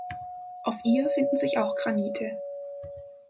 Auf ihr finden sich auch Granite.